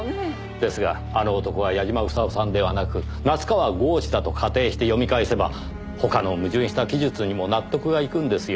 ですが「あの男」は矢嶋房夫さんではなく夏河郷士だと仮定して読み返せば他の矛盾した記述にも納得がいくんですよ。